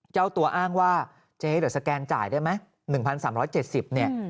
เจ้าตัวอ้างว่าเจ๊เดี๋ยวสแกนจ่ายได้ไหม๑๓๗๐เนี่ย